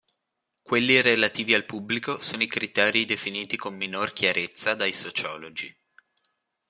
Quelli relativi al pubblico sono i criteri definiti con minor chiarezza dai sociologi.